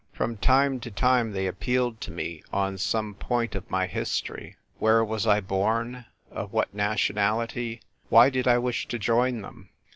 From time to time they appealed to me on some point of my history — where was I born, of what nationality, why did I wish to join them